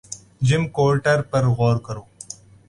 جم کورٹر پر غور کرو